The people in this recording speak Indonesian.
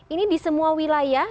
ini di semua wilayah